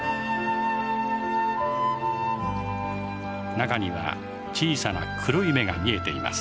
中には小さな黒い目が見えています。